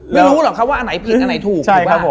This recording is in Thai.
ไม่รู้หรอกร้านว่าไหนผิดอันไหนถูก